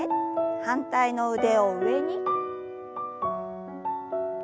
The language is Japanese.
反対の腕を上に。